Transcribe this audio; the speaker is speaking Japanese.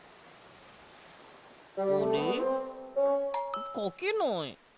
あれ？かけない。